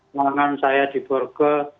keuangan saya diborgo